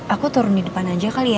aku turun di depan aja kali ya